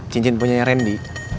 cincin punya yang randy